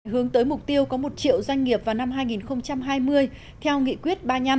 hướng tới mục tiêu có một triệu doanh nghiệp vào năm hai nghìn hai mươi theo nghị quyết ba mươi năm